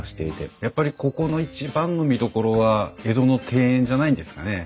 やっぱりここの一番の見どころは江戸の庭園じゃないんですかね。